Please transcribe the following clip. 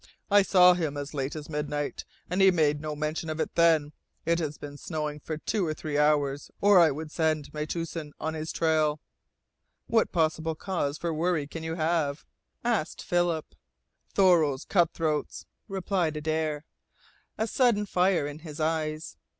I saw him as late as midnight, and he made no mention of it then. It has been snowing for two or three hours or I would send Metoosin on his trail." "What possible cause for worry can you have?" asked Philip. "Thoreau's cutthroats," replied Adare, a sudden fire in his eyes.